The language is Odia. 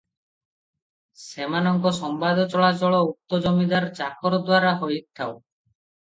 ସେମାନଙ୍କ ସମ୍ବାଦ ଚଳାଚଳ ଉକ୍ତ ଜମିଦାର ଚାକର ଦ୍ୱାରା ହେଉଥାଏ ।